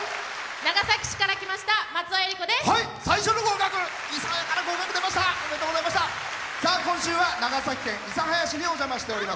長崎市から来ましたまつおです。